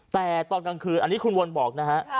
แต่ตอนกลางคืนอันนี้คุณวนบอกนะฮะ